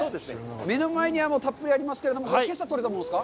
目の前にはたっぷりありますけど、けさ取れたものですか？